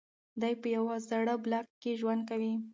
دی په یوه زاړه بلاک کې ژوند کوي.